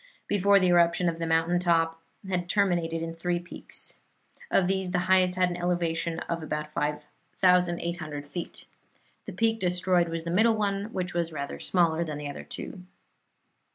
Before the eruption the mountain top had terminated in three peaks. Of these the highest had an elevation of about 5,800 feet. The peak destroyed was the middle one, which was rather smaller than the other two.